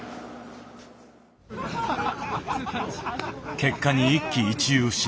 結果に一喜一憂しない。